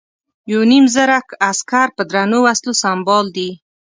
یو نیم زره عسکر په درنو وسلو سمبال دي.